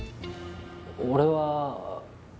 俺は。